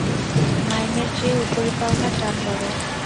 মাইনের চেয়ে উপরি-পাওনার টান বড়ো।